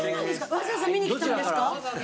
わざわざ見に来たんですか？